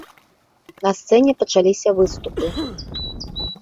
На сцэне пачаліся выступы.